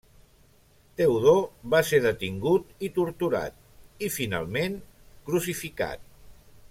Teodor va ser detingut i torturat i, finalment, crucificat.